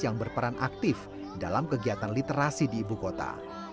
yang berperan aktif dalam kegiatan literasi di ibukota